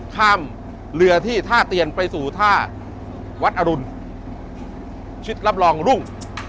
ข้ามเรือที่ท่าเตียนไปสู่ท่าวัดอรุณชิดรับรองรุ่ง